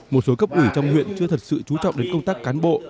một số cấp ủy trong huyện chưa thật sự chú trọng đến công tác cán bộ